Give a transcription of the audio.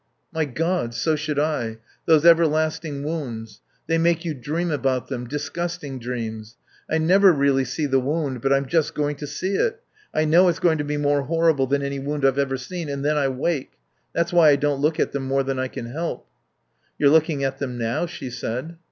"My God! So should I. Those everlasting wounds. They make you dream about them. Disgusting dreams. I never really see the wound, but I'm just going to see it. I know it's going to be more horrible than any wound I've ever seen. And then I wake.... That's why I don't look at them more than I can help." "You're looking at them now," she said.